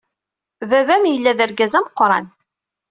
Baba-m yella d argaz ameqran.